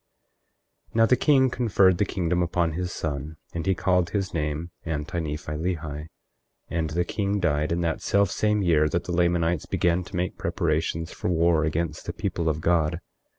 24:3 Now the king conferred the kingdom upon his son, and he called his name Anti Nephi Lehi. 24:4 And the king died in that selfsame year that the Lamanites began to make preparations for war against the people of God.